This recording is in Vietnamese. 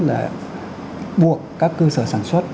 đó là buộc các cơ sở sản xuất